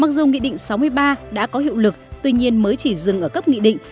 mặc dù nghị định sáu mươi ba đã có hiệu lực tuy nhiên mới chỉ dừng ở cấp nghị định